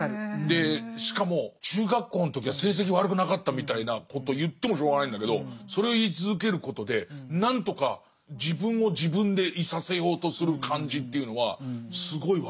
でしかも中学校の時は成績悪くなかったみたいなことを言ってもしょうがないんだけどそれを言い続けることで何とか自分を自分でいさせようとする感じというのはすごい分かりますね。